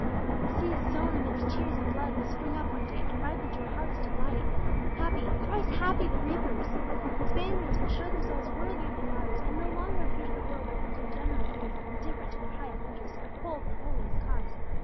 "The seed sown amidst tears and blood must spring up one day, and ripen to a harvest of light! Happy thrice happy the reapers! Spaniards will show themselves worthy of their martyrs, and no longer appear to the world as a degenerate race, indifferent to their highest interests, or cold in the holiest cause.